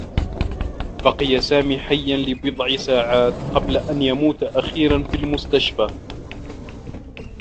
بقي سامي حيّا لبضع ساعات قبل أن يموت أخيرا في المستشفى.